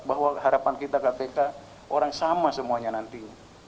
bahwa harapan kita kpk orang sama semuanya nanti